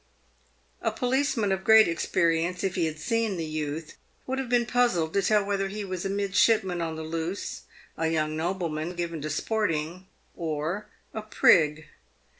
A policeman of great experience, if he had seen the youth, would have been puzzled to tell whether he was a midshipman on the loose, a young nobleman given to sporting, or a prig.